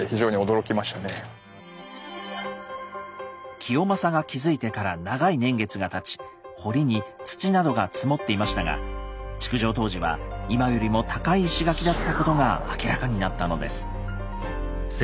清正が築いてから長い年月がたち堀に土などが積もっていましたが築城当時は今よりも高い石垣だったことが明らかになったのです。